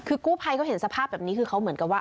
คือกู้ภัยเขาเห็นสภาพแบบนี้คือเขาเหมือนกับว่า